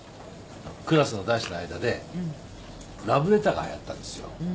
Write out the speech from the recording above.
クラスの男子の間でラブレターがはやったんですよ。